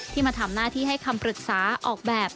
มาทำหน้าที่ให้คำปรึกษาออกแบบ